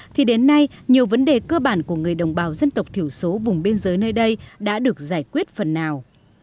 thì đến nay nhiều vấn đề cơ bản của người đồng bào dân tộc thiểu số vùng biên giới nơi đây đã được giải quyết phần nào